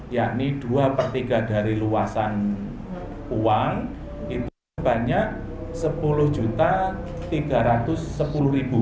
yakni dua per tiga dari luasan uang itu sebanyak rp sepuluh tiga ratus sepuluh